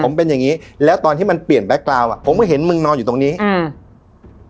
ผมเป็นอย่างงี้แล้วตอนที่มันเปลี่ยนแก๊กกราวอ่ะผมก็เห็นมึงนอนอยู่ตรงนี้อืม